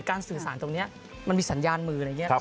สื่อสารตรงนี้มันมีสัญญาณมืออะไรอย่างนี้